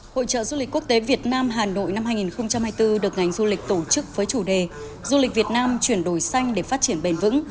hội trợ du lịch quốc tế việt nam hà nội năm hai nghìn hai mươi bốn được ngành du lịch tổ chức với chủ đề du lịch việt nam chuyển đổi xanh để phát triển bền vững